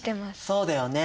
そうだよね。